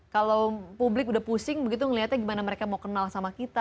kalau publik udah pusing begitu ngelihatnya gimana mereka mau kenal sama kita